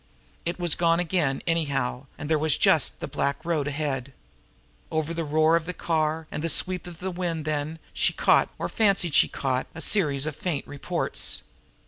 It was gone again, anyhow, and there was just black road ahead. Over the roar of the car and the sweep of the wind, then, she caught, or fancied she caught, a series of faint reports.